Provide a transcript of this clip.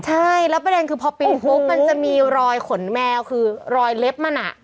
ใช่แล้วประเด็นคือพอปีนปุ๊บมันจะมีรอยขนแมวคือรอยเล็บมันอ่ะ